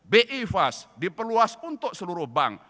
bi fast diperluas untuk seluruh bank